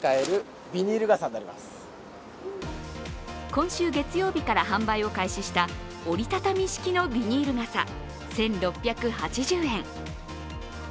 今週月曜日から販売を開始した折りたたみ式のビニール傘、１６８０円。